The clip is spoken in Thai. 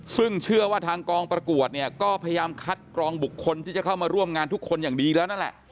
ซึ่งเชื่อว่าทางกองประกวดเนี่ยก็พยายามคัดกรองบุคคลที่จะเข้ามาร่วมงานทุกคนอย่างดีแล้วนั่นแหละ